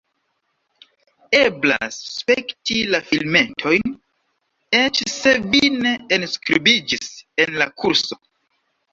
Eblas spekti la filmetojn, eĉ se vi ne enskribiĝis en la kurso.